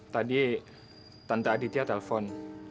tadi tante aditya telpon